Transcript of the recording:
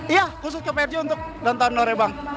iya khusus ke prj untuk nonton norebang